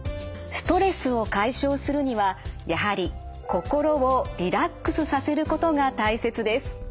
ストレスを解消するにはやはり心をリラックスさせることが大切です。